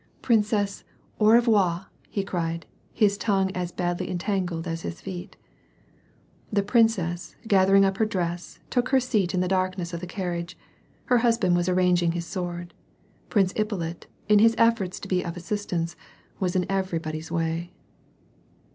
^ Princesse, au revoir,^^ he cried, his tongue as badly en tangled as his feet. The princess gathering up her dress, took her seat in the darkness of the carriage ; her husband w;us arranging his sword ; Prince Ippolit, in his efforts to be of assistance, was in everybody's way.